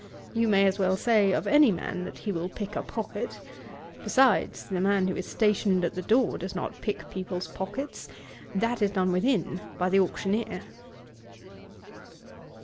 You may as well say of any man that he will pick a pocket. Besides, the man who is stationed at the door does not pick people's pockets; that is done within, by the auctioneer.'